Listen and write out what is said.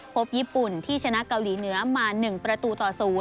พบญี่ปุ่นที่ชนะเกาหลีเหนือมา๑ประตูต่อ๐